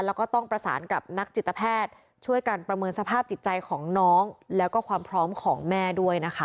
แล้วก็ต้องประสานกับนักจิตแพทย์ช่วยกันประเมินสภาพจิตใจของน้องแล้วก็ความพร้อมของแม่ด้วยนะคะ